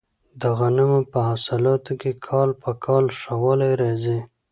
د غنمو په حاصلاتو کې کال په کال ښه والی راځي.